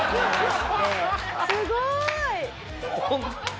すごーい！